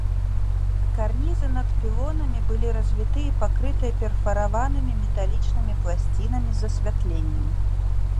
Карнізы над пілонамі былі развіты і пакрытыя перфараванымі металічнымі пласцінамі з асвятленнем.